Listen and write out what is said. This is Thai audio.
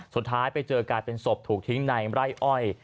สุดท้ายไปเจอกลายเป็นศพถูกทิ้งในไร่อ้อย